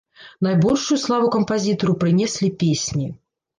Найбольшую славу кампазітару прынеслі песні.